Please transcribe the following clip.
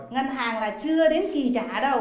ngân hàng là chưa đến kỳ trả đâu